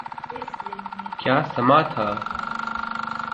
کیا سماں تھا۔